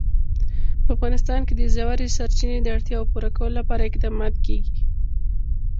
په افغانستان کې د ژورې سرچینې د اړتیاوو پوره کولو لپاره اقدامات کېږي.